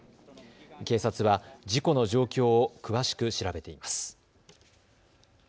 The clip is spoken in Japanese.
警察は事故の状況を詳しく調べています。